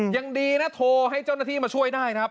ยังดีนะโทรให้เจ้าหน้าที่มาช่วยได้ครับ